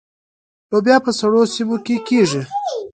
لوبیا په سړو سیمو کې کیږي.